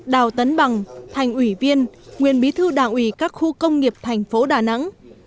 đào tấn bằng thành ủy viên nguyên bí thư đảng ủy các khu công nghiệp thành phố đà nẵng